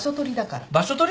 場所取り？